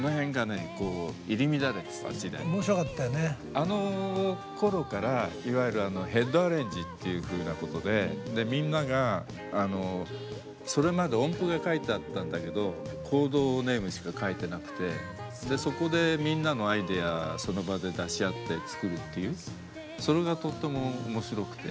あのころからいわゆるヘッドアレンジっていうふうなことでみんながそれまで音符が書いてあったんだけどコードネームしか書いてなくてそこでみんなのアイデアその場で出し合って作るっていうそれがとっても面白くて。